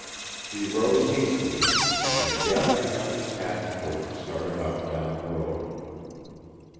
He rose hastily and gathering up his hat and coat, started off down the road.